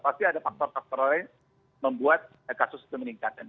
pasti ada faktor faktor lain membuat kasus itu meningkatkan